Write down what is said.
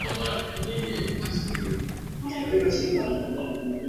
serikali ya korea kusini ikotayari kufanya mazungumzo na korea kaskazini lengo likiwa kuimarisha